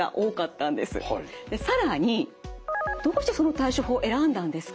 で更にどうしてその対処法を選んだんですか？